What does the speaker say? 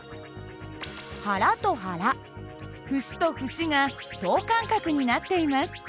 腹と腹節と節が等間隔になっています。